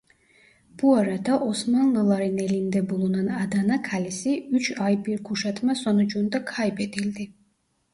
Bu arada Osmanlıların elinde bulunan Adana kalesi üç ay bir kuşatma sonucunda kaybedildi.